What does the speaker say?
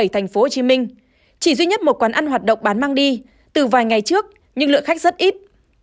tp hcm chỉ duy nhất một quán ăn hoạt động bán mang đi từ vài ngày trước nhưng lượng khách rất ít